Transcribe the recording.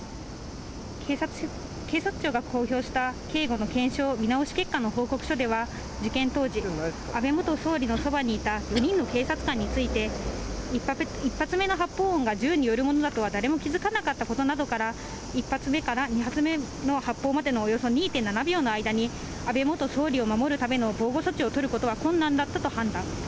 警察庁が公表した警護の検証見直し結果の報告書では、事件当時、安倍元総理のそばにいた５人の警察官について、１発目の発砲音が銃によるものだとは誰も気付かなかったことなどから、１発目から２発目の発砲までのおよそ２．７秒の間に安倍元総理を守るための防護措置を取ることが困難だったと判断。